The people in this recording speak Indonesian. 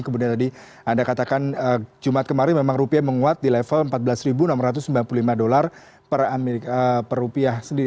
kemudian tadi anda katakan jumat kemarin memang rupiah menguat di level empat belas enam ratus sembilan puluh lima dolar per rupiah sendiri